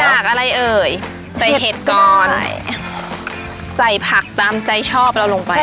อะไรเอ่ยใส่เห็ดก่อนใส่ผักตามใจชอบเราลงไป